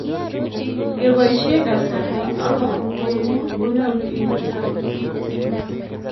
Keboisye kasarta ako kong'ung' konyolu inde tai.